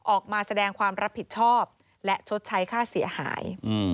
ออกมาแสดงความรับผิดชอบและชดใช้ค่าเสียหาย